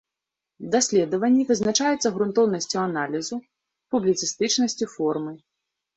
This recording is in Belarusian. Даследаванні вызначаюцца грунтоўнасцю аналізу, публіцыстычнасцю формы.